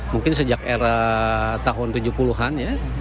mungkin sejak era tahun tujuh puluh an ya